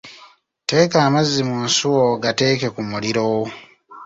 Teka amazzi mu nsuwa ogateeke ku muliro